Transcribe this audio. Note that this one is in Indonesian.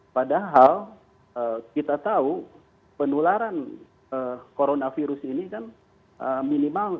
padahal kita tahu penularan coronavirus ini kan minimal